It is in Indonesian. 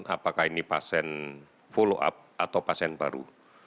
apakah ini pasien follow up atau pasien baru